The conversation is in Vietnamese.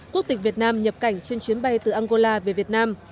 quốc tịch việt nam nhập cảnh trên chuyến bay từ angola về việt nam